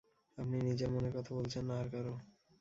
আপনি নিজের মনের কথা বলছেন, না আর কারো?